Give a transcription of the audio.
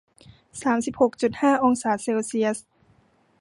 สามสิบหกจุดห้า องศาเซลเซียส